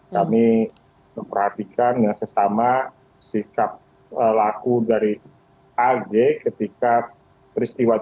kami memperhatikan dengan sesama sikap laku dari ag ketika peristiwa